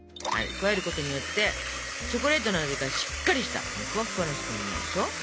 加えることによってチョコレートの味がしっかりしたふわふわになるでしょ。